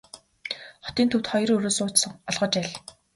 Хотын төвд хоёр өрөө сууц олгож аль.